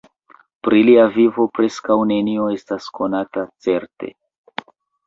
Pri lia vivo preskaŭ nenio estas konata certe.